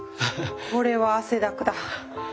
これは汗だくだ。